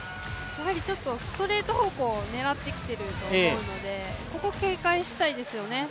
やはりストレート方向狙ってきていると思うのでここを警戒したいですよね。